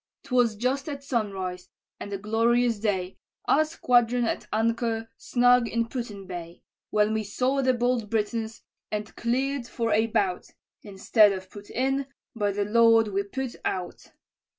"'Twas just at sunrise, and a glorious day, Our squadron at anchor snug in Put in Bay, When we saw the bold Britons, and cleared for a bout, Instead of put in, by the Lord we put out.